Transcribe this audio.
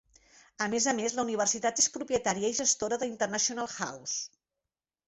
A més a més, la Universitat és propietària i gestora de International House.